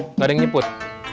nggak ada yang nyebut